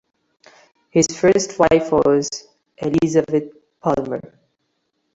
His first wife was Elizabeth Palmer.